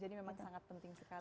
jadi memang sangat penting sekali